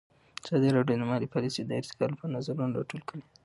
ازادي راډیو د مالي پالیسي د ارتقا لپاره نظرونه راټول کړي.